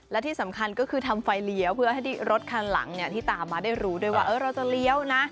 และที่สำคัญก็คือทำไฟเลี้ยวเพื่อให้ที่รถคันหลังที่ตามมาได้รู้ด้วยว่าเราจะเลี้ยวนะ